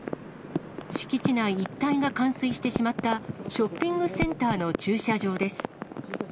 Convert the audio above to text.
敷地内一帯が冠水してしまったショッピングセンターの駐車場です。